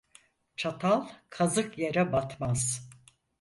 Çatal kazık yere batmaz.